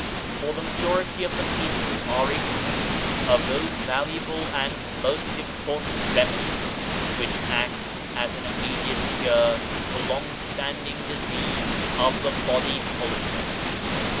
For the majority of the people are ignorant of those valuable and most important remedies which act as an immediate cure for long standing disease of the body politic.